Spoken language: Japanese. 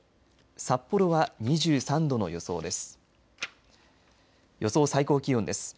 札幌は２３度の予想です。